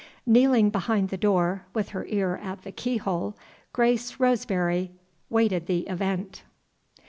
Kneeling behind the door, with her ear at the key hole, Grace Roseberry waited the event.